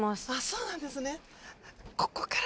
そうなんですね。